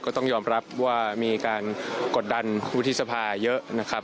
ก็ต้องยอมรับว่ามีการกดดันวุฒิสภาเยอะนะครับ